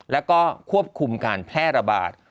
แล้วก็ควบคุมการแพร่ระบาด